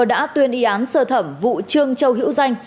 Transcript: đã tuyên y án sơ thẩm vụ trương châu hữu danh